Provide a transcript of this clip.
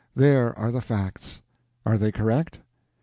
There are the facts. Are they correct?"